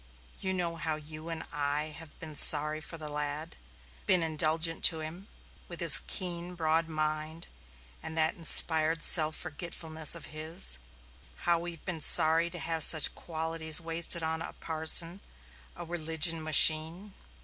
You know how you and I have been sorry for the lad been indulgent to him with his keen, broad mind and that inspired self forgetfulness of his how we've been sorry to have such qualities wasted on a parson, a religion machine.